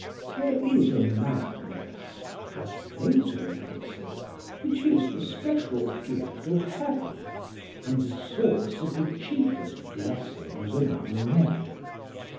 "There is a madness," as Plato puts it, "which is the special gift of heaven, and the source of the chiefest blessings among men.